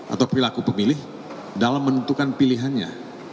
atau perilaku pemilih dalam menentukan pilihannya